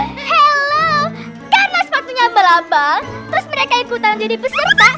halo karena sepatunya melambang terus mereka ikutan jadi peserta